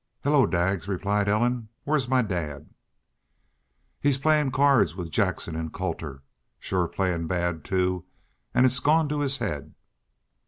"Hello, Daggs!" replied Ellen. "Where's my dad?" "He's playin' cairds with Jackson an' Colter. Shore's playin' bad, too, an' it's gone to his haid."